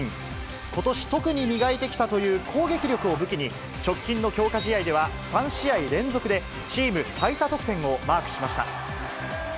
ことし特に磨いてきたという攻撃力を武器に、直近の強化試合では、３試合連続でチーム最多得点をマークしました。